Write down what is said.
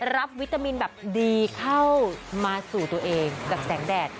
วิตามินแบบดีเข้ามาสู่ตัวเองจากแสงแดด